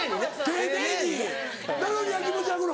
丁寧になのに焼きもち焼くの？